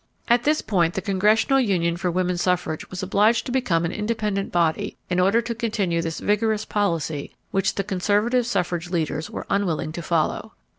At this point the Congressional Union for Woman Suffrage was obliged to become an independent body in order to continue this vigorous policy which the conservative suffrage leaders were unwilling to follow.